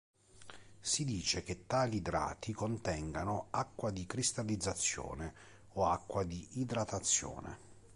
Si dice che tali idrati contengano "acqua di cristallizzazione" o "acqua di idratazione".